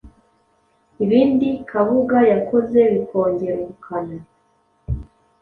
Ibindi Kabuga yakoze bikongera ubukana